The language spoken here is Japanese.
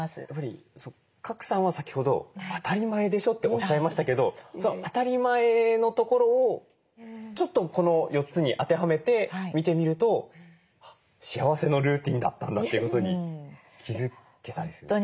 やっぱり賀来さんは先ほど「当たり前でしょ」っておっしゃいましたけどその当たり前のところをちょっとこの４つに当てはめて見てみると「幸せのルーティンだったんだ」ということに気付けたりする。